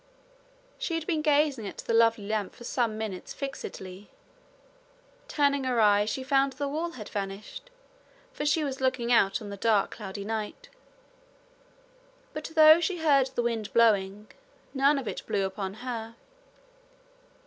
She had been gazing at the lovely lamp for some minutes fixedly: turning her eyes, she found the wall had vanished, for she was looking out on the dark cloudy night. But though she heard the wind blowing, none of it blew upon her.